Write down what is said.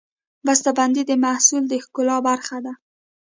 بستهبندي د محصول د ښکلا برخه ده.